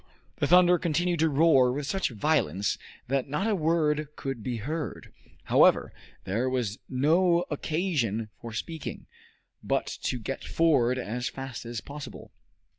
The thunder continued to roar with such violence that not a word could be heard. However, there was no occasion for speaking, but to get forward as fast as possible.